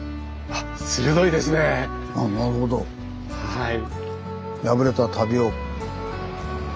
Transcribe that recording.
はい。